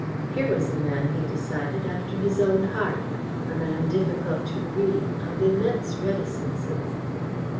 Here was a man, he decided, after his own heart a man difficult to read, of immense reticences.